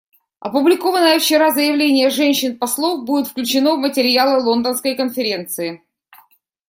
Опубликованное вчера заявление женщин-послов будет включено в материалы Лондонской конференции.